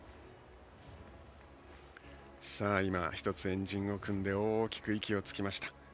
円陣を組んで大きく息をつきました。